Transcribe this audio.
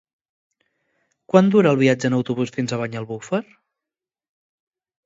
Quant dura el viatge en autobús fins a Banyalbufar?